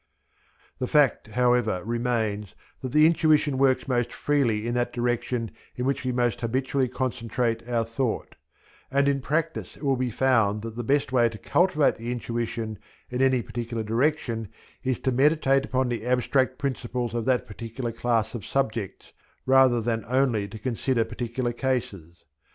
The fact, however, remains that the intuition works most freely in that direction in which we most habitually concentrate our thought; and in practice it will be found that the best way to cultivate the intuition in any particular direction is to meditate upon the abstract principles of that particular class of subjects rather than only to consider particular cases.